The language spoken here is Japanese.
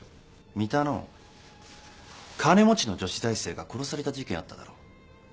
三田の金持ちの女子大生が殺された事件あっただろ。